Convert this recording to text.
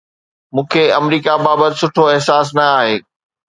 مون کي آمريڪا بابت سٺو احساس نه آهي.